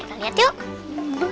kita lihat yuk